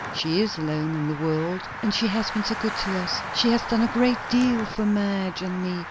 "She is alone in the world." "And she has been so good to us! She has done a great deal for Madge and me."